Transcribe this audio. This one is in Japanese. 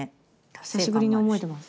久しぶりに思えてます。